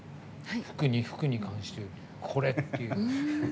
服に関してこれ！っていう。